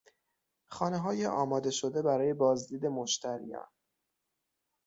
خانههای آماده شده برای بازدید مشتریان